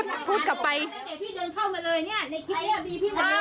เดี๋ยวพี่เดินเข้ามาเลยเนี่ยในคลิปนี้พี่มันเรียกว่า